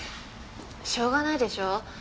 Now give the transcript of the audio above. しょうがないでしょ。